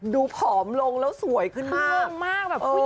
ดูผอมลงแล้วสวยขึ้นมาก